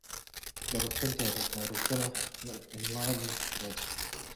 له روغتون تر ناروغتونه: عنوان مخې ته راځي .